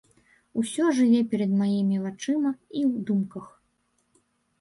Усё жыве перад маімі вачыма і ў думках.